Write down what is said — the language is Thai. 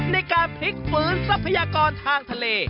ในการภิกษ์ฝืนทรัพยากรทางทะเล